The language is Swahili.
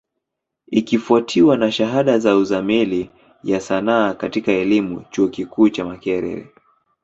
Ikifwatiwa na shahada ya Uzamili ya Sanaa katika elimu, chuo kikuu cha Makerere.